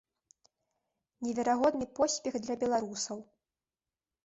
Неверагодны поспех для беларусаў.